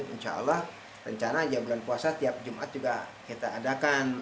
insya allah rencana aja bulan puasa tiap jumat juga kita adakan